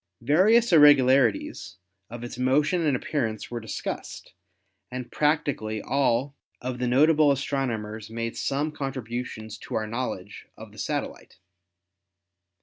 Various irregularities of its motion and appearance were discussed, and practically all of the notable astronomers made some contributions to our knowledge of the satellite.